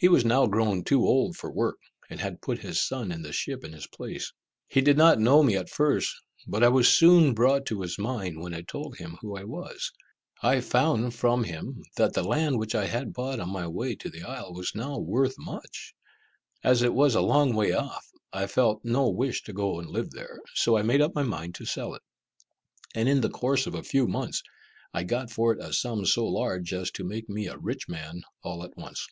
He was now grown too old for work, and had put his son in the ship in his place. He did not know me at first, but I was soon brought to his mind when I told him who I was. I found from him that the land which I had bought on my way to the isle was now worth much. As it was a long way off, I felt no wish to go and live there so I made up my mind to sell it, and in the course of a few months, I got for it a sum so large as to make me a rich man all at once.